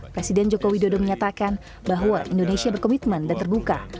presiden joko widodo menyatakan bahwa indonesia berkomitmen dan terbuka